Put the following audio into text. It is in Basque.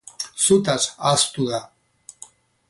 Zutaz ahaztu da.